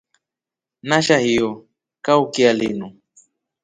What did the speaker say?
Nasha hiyo kaukya linu.